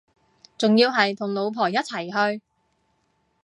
仲要係同老婆一齊去